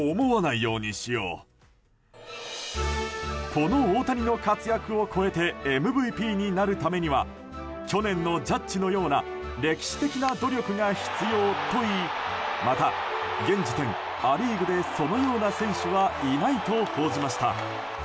この大谷の活躍を超えてＭＶＰになるためには去年のジャッジのような歴史的な努力が必要といいまた、現時点ア・リーグでそのような選手はいないと報じました。